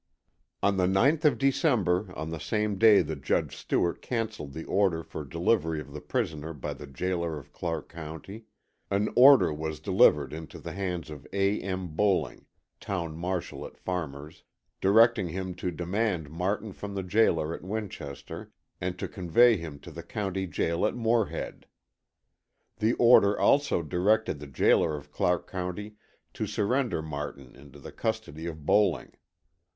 On the 9th of December, on the same day that Judge Stewart canceled the order for delivery of the prisoner by the jailer of Clark County, an order was delivered into the hands of A. M. Bowling, town marshal at Farmers, directing him to demand Martin from the jailer at Winchester and to convey him to the county jail at Morehead. The order also directed the jailer of Clark County to surrender Martin into the custody of Bowling.